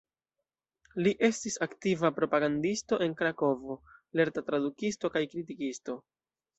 Li estis aktiva propagandisto en Krakovo, lerta tradukisto kaj kritikisto.